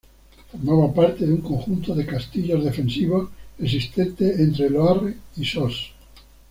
Formaba parte de un conjunto de castillos defensivos existentes entre Loarre y Sos.